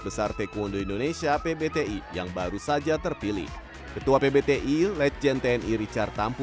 besar taekwondo indonesia pbti yang baru saja terpilih ketua pbti legend tni richard tampu